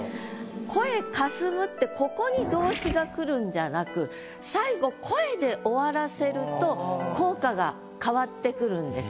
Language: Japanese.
「声かすむ」ってここに動詞が来るんじゃなく効果が変わってくるんです。